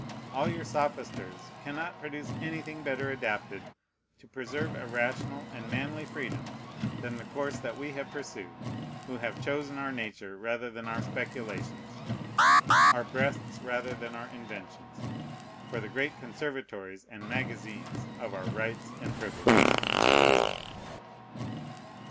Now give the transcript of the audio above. All your sophisters cannot produce anything better adapted to preserve a rational and manly freedom than the course that we have pursued, who have chosen our nature rather than our speculations, our breasts rather than our inventions, for the great conservatories and magazines of our rights and privileges.